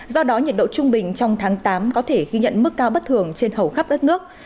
do đó nhiệt độ trung bình trong tháng tám có thể ghi nhận mức cao bất thường trên hầu khắp đất nước